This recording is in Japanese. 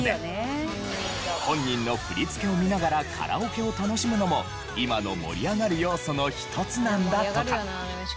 本人の振り付けを見ながらカラオケを楽しむのも今の盛り上がる要素の一つなんだとか。